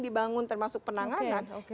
dibangun termasuk penanganan oke